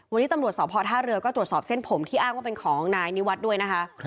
วันนี้ตำรวจสพท่าเรือก็ตรวจสอบเส้นผมที่อ้างว่าเป็นของนายนิวัฒน์ด้วยนะคะ